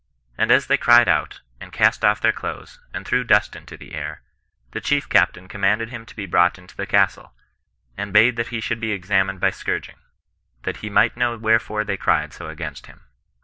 And as they cried out, and cast off their clothes, and threw dust into the air, the chief captain commanded him to be brought into the castle, and bade that he should be examined by scourging: that he might know wherefore they cried so against him."